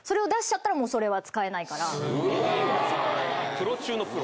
プロ中のプロ。